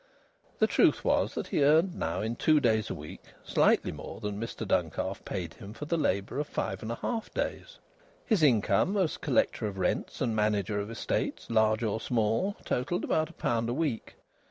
The truth was that he earned now in two days a week slightly more than Mr Duncalf paid him for the labour of five and a half days. His income, as collector of rents and manager of estates large or small, totalled about a pound a week.